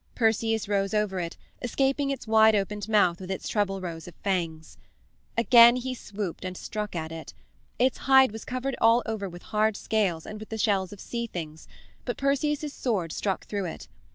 Perseus rose over it, escaping its wide opened mouth with its treble rows of fangs. Again he swooped and struck at it. Its hide was covered all over with hard scales and with the shells of sea things, but Perseus's sword struck through it.